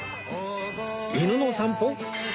犬の散歩？